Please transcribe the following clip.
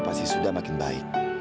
pasti sudah makin baik